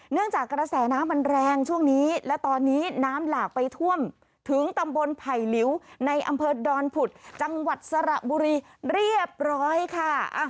จากกระแสน้ำมันแรงช่วงนี้และตอนนี้น้ำหลากไปท่วมถึงตำบลไผ่หลิวในอำเภอดอนผุดจังหวัดสระบุรีเรียบร้อยค่ะ